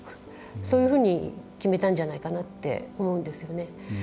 そういうふうに決めたんじゃないかなって思うんですよね。